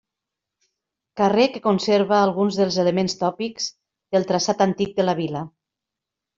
Carrer que conserva alguns dels elements tòpics del traçat antic de la vila.